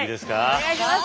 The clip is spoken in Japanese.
お願いします。